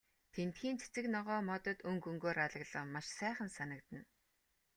Тэндхийн цэцэг ногоо, модод өнгө өнгөөр алаглан маш сайхан санагдана.